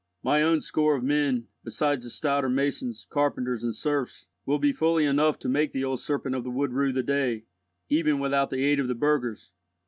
My own score of men, besides the stouter masons, carpenters, and serfs, will be fully enough to make the old serpent of the wood rue the day, even without the aid of the burghers.